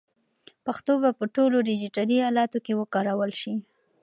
پښتو به په ټولو ډیجیټلي الاتو کې وکارول شي.